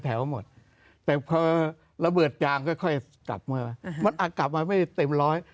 หมดแต่พอระเบิดยางค่อยกลับมามันอาจกลับมาไม่เต็มร้อย